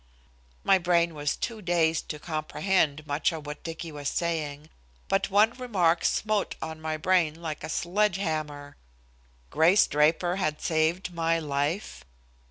My brain was too dazed to comprehend much of what Dicky was saying, but one remark smote on my brain like a sledge hammer. Grace Draper had saved my life!